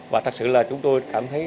và thật sự là chúng tôi cảm thấy